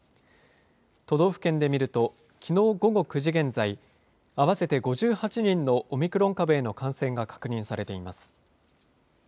都道府県で見るときのう午後９時現在、合わせて５８人のオミクロン株への感染が確認されています。